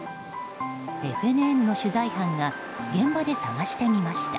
ＦＮＮの取材班が現場で探してみました。